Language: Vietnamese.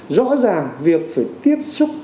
rõ ràng việc phải tiếp xúc